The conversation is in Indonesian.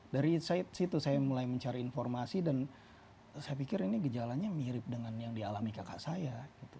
dari situ saya mulai mencari informasi dan saya pikir ini gejalanya mirip dengan yang dialami kakak saya